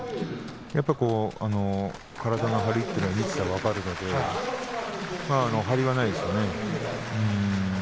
やっぱり体の張りというのは見ていたら分かるので張りがないですよね。